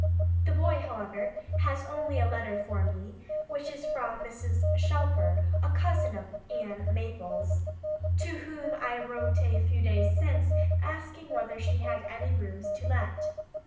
The boy, however, has only a letter for me, which is from Mrs. Shelfer (a cousin of Ann Maples), to whom I wrote a few days since, asking whether she had any rooms to let.